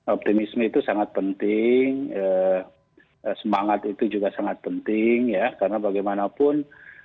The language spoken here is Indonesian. optimisme itu sangat penting semangat itu juga sangat penting ya karena bagaimanapun